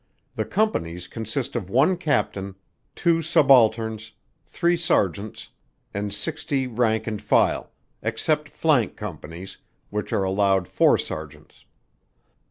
The companies consist of one captain, two subalterns, three sergeants, and sixty rank and file, except flank companies, which are allowed four sergeants.